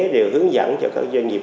đều hướng dẫn cho các doanh nghiệp